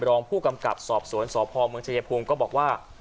รองผู้กำกับสอบสวนสพเมืองชายภูมิก็บอกว่า